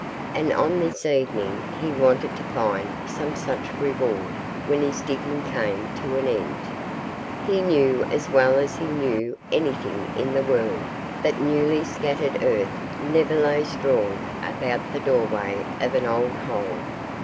And on this evening he wanted to find some such reward when his digging came to an end. He knew as well as he knew anything in the world that newly scattered earth never lay strewn about the doorway of an old hole.